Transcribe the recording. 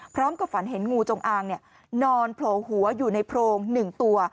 ฝันเห็นงูจงอางนอนโผล่หัวอยู่ในโพรง๑ตัว